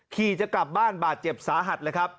จะกลับบ้านบาดเจ็บสาหัสเลยครับ